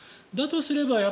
とすれば